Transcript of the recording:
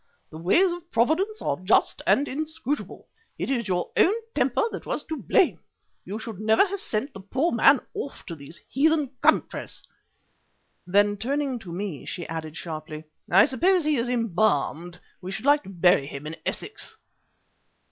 The ways of Providence are just and inscrutable. It is your own temper that was to blame. You should never have sent the poor man off to these heathen countries." Then, turning to me, she added sharply: "I suppose he is embalmed; we should like to bury him in Essex."